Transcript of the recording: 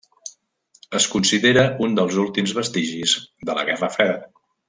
Es considera un dels últims vestigis de la Guerra freda.